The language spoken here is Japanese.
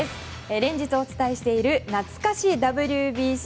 連日お伝えしているなつか史ＷＢＣ。